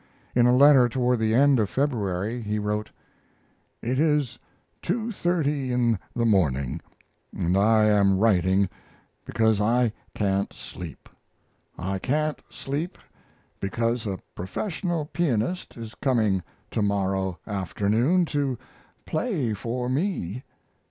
In a letter toward the end of February he wrote: It is 2.30 in the morning & I am writing because I can't sleep. I can't sleep because a professional pianist is coming to morrow afternoon to play for me.